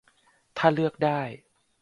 ถ้าเลือกได้